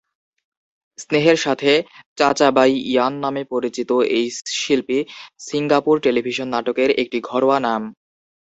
স্নেহের সাথে "চাচা বাই ইয়ান" নামে পরিচিত এই শিল্পী সিঙ্গাপুর টেলিভিশন নাটকের একটি ঘরোয়া নাম।